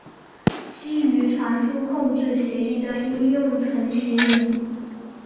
基于传输控制协议的应用层协议。